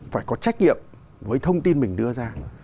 phải có trách nhiệm với thông tin mình đưa ra